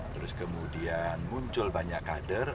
terus kemudian muncul banyak kader